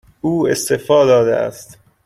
او استعفا داده است.